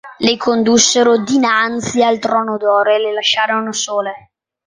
Le condussero dinanzi al Trono d'Oro e le lasciarono sole.